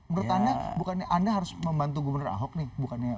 menurut anda bukan anda harus membantu gubernur ahok nih